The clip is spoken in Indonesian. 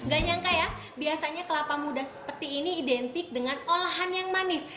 gak nyangka ya biasanya kelapa muda seperti ini identik dengan olahan yang manis